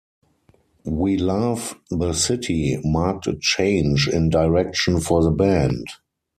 "We Love the City" marked a change in direction for the band.